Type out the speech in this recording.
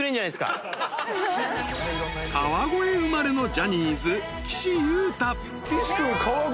［川越生まれのジャニーズ］岸君川越。